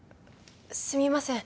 すみません